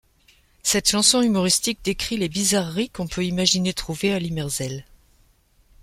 Cette chanson, humoristique, décrit des bizarreries qu'on peut imaginer trouver à Limerzel.